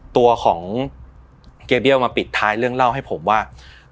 ตัวของเกียร์เบี้ยวมาปิดท้ายเรื่องเล่าให้ผมว่า